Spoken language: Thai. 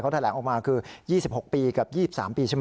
แถลงออกมาคือ๒๖ปีกับ๒๓ปีใช่ไหม